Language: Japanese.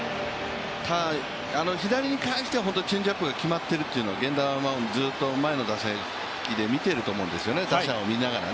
左に関してはチェンジアップが決まっているというのは、源田はずっと前の打席で見てると思うんですよね、打者を見ながら。